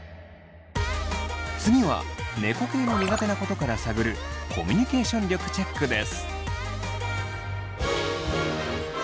次は猫系の苦手なことから探るコミュニケーション力チェックです！